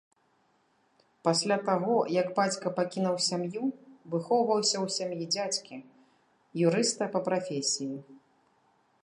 Пасля таго, як бацька пакінуў сям'ю, выхоўваўся ў сям'і дзядзькі, юрыста па прафесіі.